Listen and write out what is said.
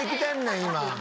今。